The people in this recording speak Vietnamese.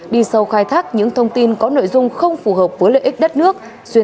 đi sâu khai thác những thông tin có nội dung không phù hợp với lợi ích đất nước